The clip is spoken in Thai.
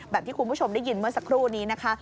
แบบที่คุณผู้ชมได้ยินเมื่อสักครู่นี้นะคะ